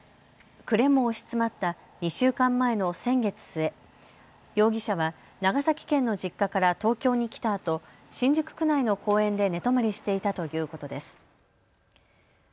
暮れも押し詰まった２週間前の先月末、容疑者は長崎県の実家から東京に来たあと新宿区内の公園で寝泊まりしていたということです。